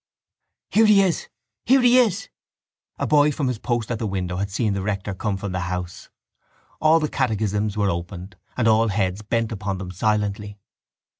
—Here he is! Here he is! A boy from his post at the window had seen the rector come from the house. All the catechisms were opened and all heads bent upon them silently.